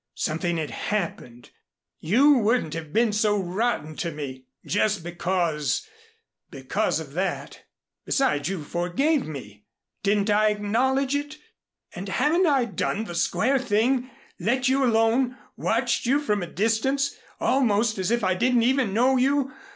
Something had happened. You wouldn't have been so rotten to me, just because because of that. Besides you forgave me. Didn't I acknowledge it? And haven't I done the square thing, let you alone, watched you from a distance, almost as if I didn't even know you?